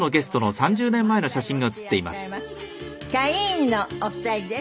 キャインのお二人です。